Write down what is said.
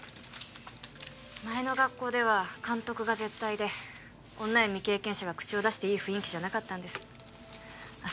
前の学校では監督が絶対で女や未経験者が口を出していい雰囲気じゃなかったんですあっ